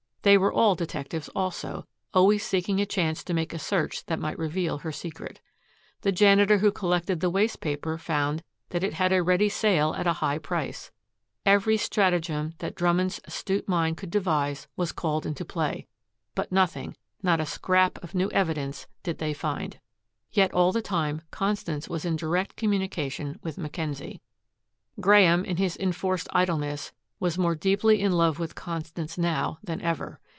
They were all detectives, also, always seeking a chance to make a search that might reveal her secret. The janitor who collected the waste paper found that it had a ready sale at a high price. Every stratagem that Drummond's astute mind could devise was called into play. But nothing, not a scrap of new evidence did they find. Yet all the time Constance was in direct communication with Mackenzie. Graeme, in his enforced idleness, was more deeply in love with Constance now than ever.